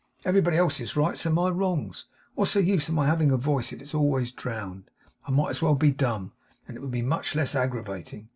Everybody else's rights are my wrongs. What's the use of my having a voice if it's always drowned? I might as well be dumb, and it would be much less aggravating.